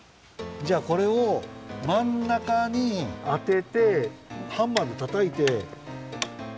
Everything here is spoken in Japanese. じゃあこれをまんなかにあててハンマーでたたいて。